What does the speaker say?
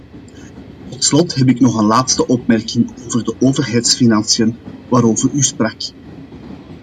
Tot slot heb ik nog een laatste opmerking over de overheidsfinanciën waarover u sprak.